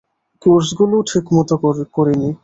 কোর্সগুলোও ঠিকমতো করিনি।